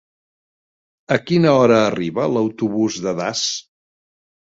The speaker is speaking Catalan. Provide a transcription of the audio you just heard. A quina hora arriba l'autobús de Das?